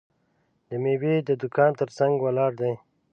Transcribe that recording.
د میوې د دوکان ترڅنګ ولاړ دی.